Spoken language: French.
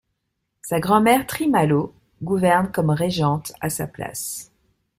Sa grand-mère Thrimalö gouverne comme régente à sa place.